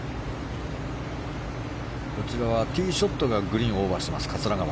こちらはティーショットがグリーンをオーバーした桂川。